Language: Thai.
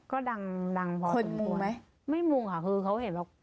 ก็ดังดังพอคนมุงไหมไม่มุงค่ะคือเขาเห็นว่า